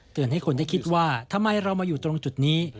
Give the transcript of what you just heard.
ให้คนได้คิดว่าทำไมเรามาอยู่ตรงจุดนี้